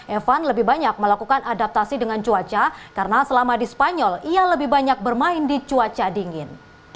evan lebih banyak melakukan adaptasi dengan cuaca karena selama di spanyol ia lebih banyak bermain di cuaca dingin